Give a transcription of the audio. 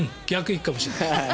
逆に行くかもしれない。